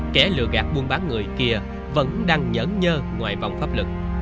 kẻ lừa gạt buôn bán người kia vẫn đang nhẫn nhơ ngoài vòng pháp lực